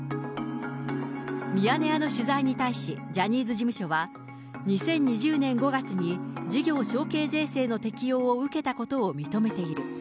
ミヤネ屋の取材に対しジャニーズ事務所は、２０２０年５月に事業承継税制の適用を受けたことを認めている。